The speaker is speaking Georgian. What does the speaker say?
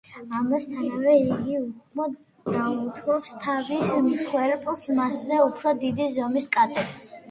ამასთანავე იგი უხმოდ დაუთმობს თავის მსხვერპლს მასზე უფრო დიდი ზომის კატებს.